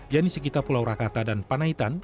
yang di sekitar pulau rakata dan panaitan